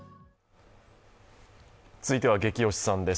続いてはゲキ推しさんです。